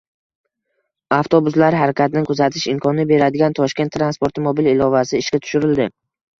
Avtobuslar harakatini kuzatish imkonini beradigan “Toshkent transporti” mobil ilovasi ishga tushirildi